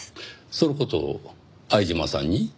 その事を相島さんに？